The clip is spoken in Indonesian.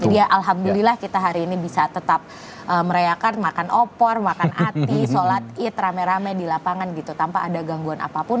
jadi ya alhamdulillah kita hari ini bisa tetap merayakan makan opor makan ati sholat id rame rame di lapangan gitu tanpa ada gangguan apapun